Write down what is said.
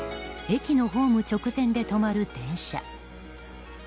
駅のホーム直前で止まる電車。